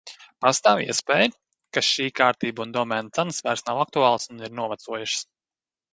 Pastāv iespēja, ka šī kārtība un domēna cenas vairs nav aktuālas un ir novecojušas.